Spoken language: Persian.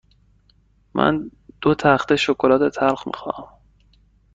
من دو تخته شکلات تلخ می خواهم.